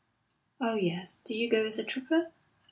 "Oh, yes! Did you go as a trooper?"